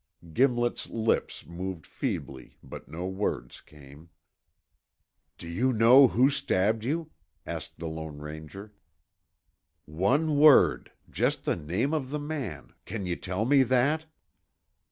Gimlet's lips moved feebly, but no words came. "Do you know who stabbed you?" asked the Lone Ranger. "One word, just the name of the man, can you tell me that?"